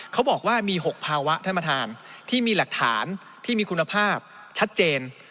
เขาบอกว่ามี๖ภาวะท่านประธานที่มีหลักฐานที่มีคุณภาพชัดเจน